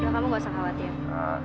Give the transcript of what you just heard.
kamu gak usah khawatir